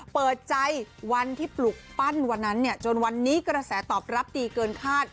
เปิดใจวันที่ปลุกปั้นวันนั้นเนี่ยจนวันนี้กระแสตอบรับดีเกินคาด